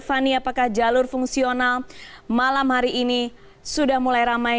fani apakah jalur fungsional malam hari ini sudah mulai ramai